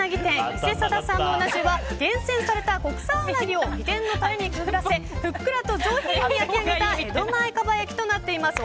伊勢定さんのうな重は厳選された国産うなぎを秘伝のタレにくぐらせふっくらと上品に焼き上げた江戸前蒲焼となっています。